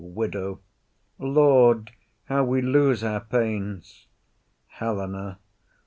WIDOW. Lord, how we lose our pains! HELENA.